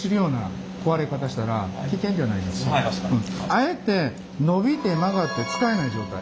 あえて伸びて曲がって使えない状態